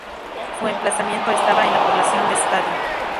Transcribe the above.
Su emplazamiento estaba en la población de Stadio.